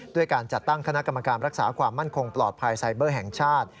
ด้วยการจัดตั้งคณะกรรมการรักษาความมั่นคงปลอดภัยไซเบอร์แห่งชาติ